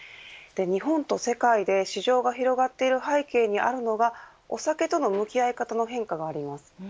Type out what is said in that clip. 日本と世界で市場が広がっている背景にあるのがお酒との向き合い方の変化があります。